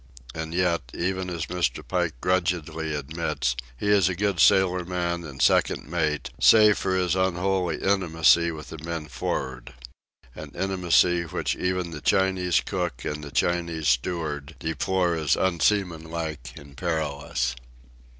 And yet, even as Mr. Pike grudgingly admits, he is a good sailorman and second mate save for his unholy intimacy with the men for'ard—an intimacy which even the Chinese cook and the Chinese steward deplore as unseamanlike and perilous.